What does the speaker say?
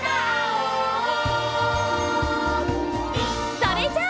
それじゃあ！